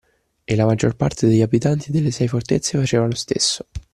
E la maggior parte degli abitanti delle sei fortezze faceva lo stesso.